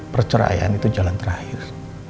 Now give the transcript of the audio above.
perceraian itu jalan terakhir